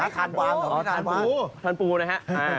ทานปูทานปูนะฮะ